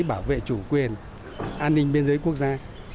bảo vệ chủ quyền an ninh biên giới quốc gia